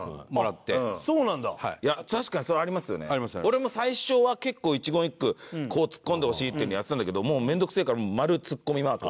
俺も最初は結構一言一句こうツッコんでほしいっていうのやってたんだけどもう面倒くせえからマルツッコミマーク。